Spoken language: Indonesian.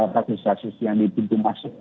faktor sasus yang ditentu masuk